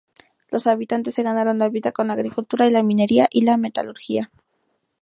Los habitantes se ganaron la vida con la agricultura, la minería y la metalurgia.